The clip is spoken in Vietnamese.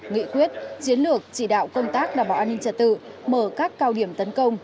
nghị quyết chiến lược chỉ đạo công tác đảm bảo an ninh trật tự mở các cao điểm tấn công